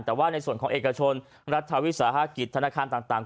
แต่ว่าในส่วนของเอกชนรัฐวิสาหกิจธนาคารต่าง